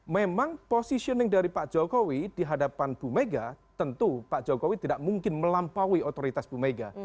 memang positioning dari pak jokowi di hadapan bu mega tentu pak jokowi tidak mungkin melampaui otoritas bumega